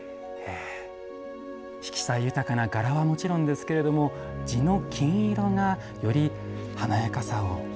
色彩豊かな柄はもちろんですけれども地の金色がより華やかさを放っています。